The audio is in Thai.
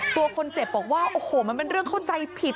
ตัวคนเจ็บบอกว่าโอ้โหมันเป็นเรื่องเข้าใจผิด